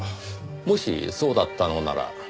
もしそうだったのなら。